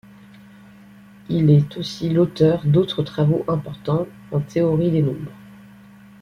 Il est aussi l'auteur d'autres travaux importants en théorie des nombres.